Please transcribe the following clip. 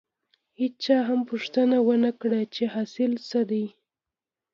هېچا هم پوښتنه ونه کړه چې حاصل څه دی.